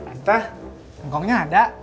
entah tongkongnya ada